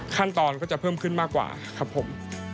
ขั้นตอนก็จะเพิ่มขึ้นมากกว่าครับผม